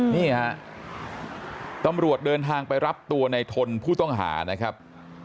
นี่ฮะตำรวจเดินทางไปรับตัวในทนผู้ต้องหานะครับ